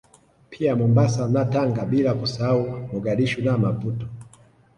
Pia Mombasa na Tanga bila kusahau Mogadishu na Maputo